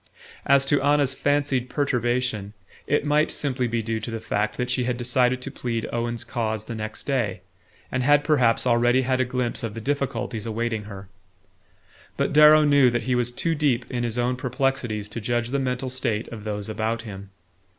As to Anna's fancied perturbation, it might simply be due to the fact that she had decided to plead Owen's cause the next day, and had perhaps already had a glimpse of the difficulties awaiting her. But Darrow knew that he was too deep in his own perplexities to judge the mental state of those about him.